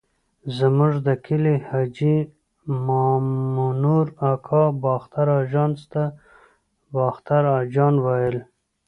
زموږ د کلي حاجي مامنور اکا باختر اژانس ته باختر اجان ویل.